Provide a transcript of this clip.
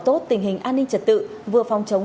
tốt tình hình an ninh trật tự vừa phòng chống